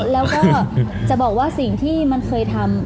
แล้วก็จะบอกว่าสิ่งที่มันเคยทำ